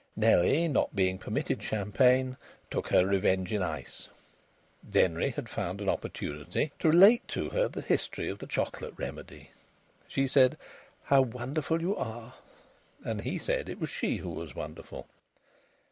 Nellie, not being permitted champagne, took her revenge in ice. Denry had found an opportunity to relate to her the history of the Chocolate Remedy. She said, "How wonderful you are!" And he said it was she who was wonderful.